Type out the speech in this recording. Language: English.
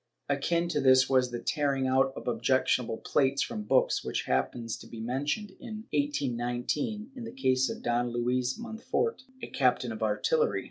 Akin to this was the tearing out of objectionable plates from books, which happens to be mentioned, in 1819, in the case of Don Luis Monfort, a captain of artillery.